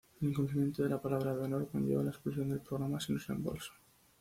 El incumplimiento de la palabra de honor conlleva la expulsión del programa sin reembolso.